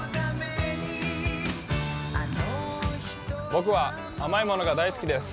僕は甘いものが大好きです。